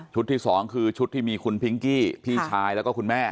ที่สองคือชุดที่มีคุณพิงกี้พี่ชายแล้วก็คุณแม่